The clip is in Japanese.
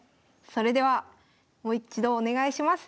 それではもう一度お願いします。